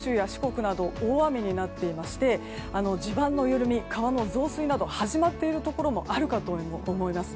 すでに九州や四国など大雨になっていまして地盤の緩み、川の増水など始まっているところもあるかと思います。